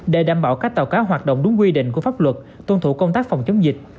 để đảm bảo các tàu cá hoạt động đúng quy định của pháp luật tuân thủ công tác phòng chống dịch